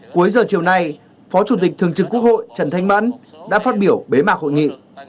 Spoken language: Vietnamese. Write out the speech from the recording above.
cuối giờ chiều nay phó chủ tịch thường trực quốc hội trần thanh mẫn đã phát biểu bế mạc hội nghị